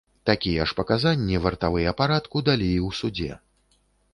Такія ж паказанні вартавыя парадку далі і ў судзе.